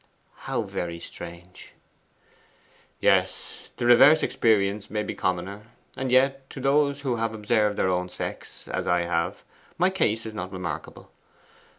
'How very strange!' 'Yes, the reverse experience may be commoner. And yet, to those who have observed their own sex, as I have, my case is not remarkable.